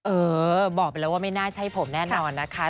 เออบอกไปแล้วว่าไม่น่าใช่ผมแน่นอนนะคะ